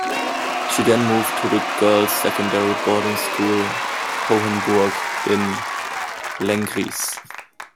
She then moved to the Girls' Secondary Boarding School Hohenburg in Lenggries.